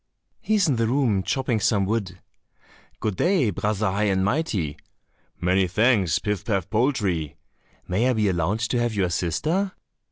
"He is in the room chopping some wood." "Good day, Brother High and Mighty." "Many thanks, Pif paf poltrie." "May I be allowed to have your sister?"